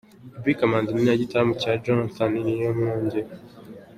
Gaby Kamanzi mu gitaramo cya Jonathan Niyomwungere.